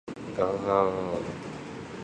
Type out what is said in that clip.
がががががが